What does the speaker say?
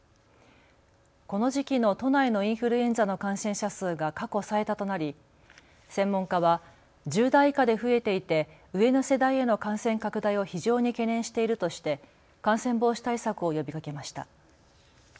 この時期の都内のインフルエンザの感染者数が過去最多となり専門家は１０代以下で増えていて上の世代への感染拡大を非常に懸念しているとして感染防止対策を呼びかけました。